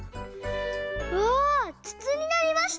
わあつつになりました！